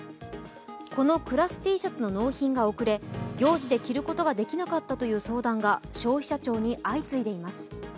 このクラスＴシャツの納品が遅れ行事で着ることができなかったという相談が消費者庁に相次いでいます。